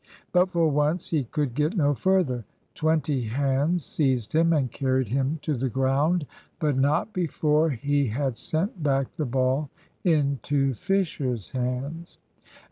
But for once he could get no further. Twenty hands seized him and carried him to the ground, but not before he had sent back the ball into Fisher's hands.